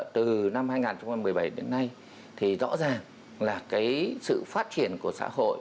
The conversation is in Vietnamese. từ năm hai nghìn một mươi bảy đến nay thì rõ ràng là cái sự phát triển của xã hội